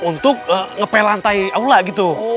untuk ngepel lantai aula gitu